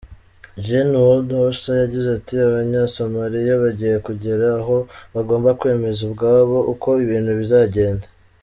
Gen Waldhauser yagize ati “Abanyasomalia bagiye kugera aho bagomba kwemeza ubwabo uko ibintu bizagenda.”